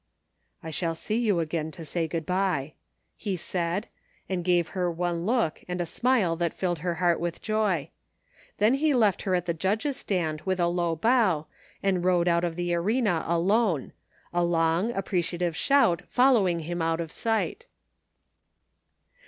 " I shall see you again to say good bye,'* he said, and gave her one look and smile that filled her heart with joy. Then he left her at the judges' stand with 234 THE FINDING OF JASPER HOLT a low bow and rode out of the arena alone; a long, appreciative shout following him out of sight.